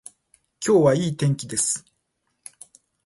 今日はいい天気です。